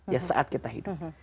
ya saat kita hidup